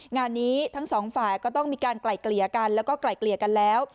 งานนี้ทั้งสองฝ่ายก็ต้องมีการไกล่เกลี่ยกันแล้วก็ไกลเกลี่ยกันแล้ว